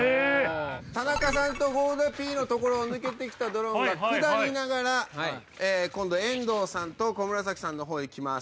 田中さんと合田Ｐの所を抜けてきたドローンが下りながら今度遠藤さんと小紫さんの方へ行きます。